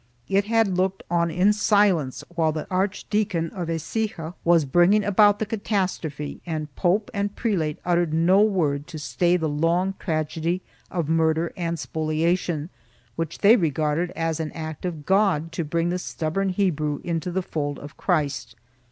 It had looked on in silence while the Archdeacon of Ecijawas bringing about the catastrophe and pope and prelate uttered no word to stay the long tragedy of murder and spoliation, which they regarded as an act of God to bring the stubborn Hebrew into the fold of Christ.